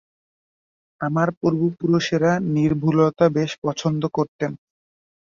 আমার পূর্ব পুরুষেরা নির্ভুলতা বেশ পছন্দ করতেন।